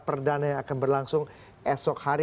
pertarungan perdananya akan berlangsung esok hari